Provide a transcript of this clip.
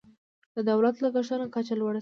د دولت لګښتونو کچه لوړه شوه.